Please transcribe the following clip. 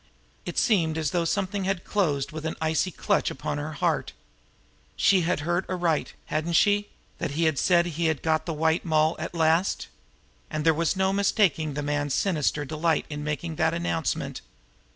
It seemed as though something had closed with an icy clutch upon her heart. She had heard aright, hadn't she? that he had said he had got the White Moll at last. And there was no mistaking the mans s sinister delight in making that announcement.